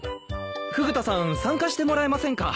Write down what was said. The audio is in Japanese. フグ田さん参加してもらえませんか？